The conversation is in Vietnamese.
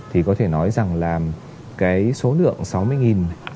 thì có thể nói rằng là cái số lượng sáu mươi